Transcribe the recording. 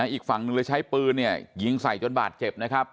อีกฝั่งหนึ่งเลยใช้ปืนยิงใส่จนบาดเจ็บนะครับ